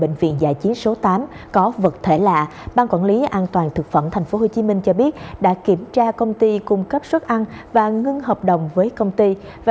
bệnh viện giả chiến số tám có vật thể lạ ban quản lý an toàn thực phẩm tp hcm cho biết đã kiểm tra công ty cung cấp suất ăn và ngưng hợp đồng với công ty và